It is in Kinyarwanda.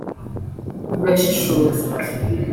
tugashishoza